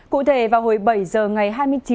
cụ thể vào hồi bảy h ngày hai mươi chín một mươi hai